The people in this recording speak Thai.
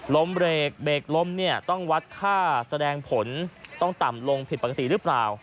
เบรกเบรกล้มเนี่ยต้องวัดค่าแสดงผลต้องต่ำลงผิดปกติหรือเปล่า